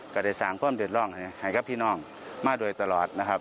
ก็ได้สั่งเพิ่มเด็ดร่องเนี่ยให้กับพี่น้องมาโดยตลอดนะครับ